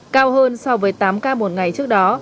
cao hơn so với tám ca một ngày trước đó